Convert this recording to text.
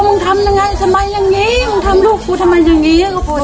ทำยังไงทำไมอย่างนี้มึงทำลูกกูทำไมอย่างนี้ก็พอ